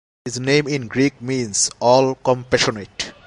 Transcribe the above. His name in Greek means "all-compassionate".